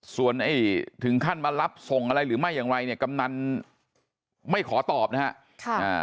ส่วนไอ้ถึงขั้นมารับส่งอะไรหรือไม่อย่างไรเนี่ยกำนันไม่ขอตอบนะฮะ